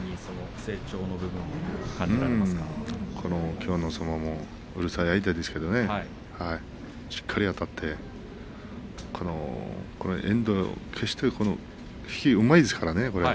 成長の部分はきょうの相手もうるさい相手ですけどもしっかりあたって遠藤は引きがうまいですからね。